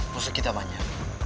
musik kita banyak